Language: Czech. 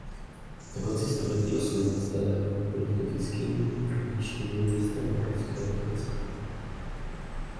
Na konci století osmnáctého bylo typickým provinčním městem evropského Turecka.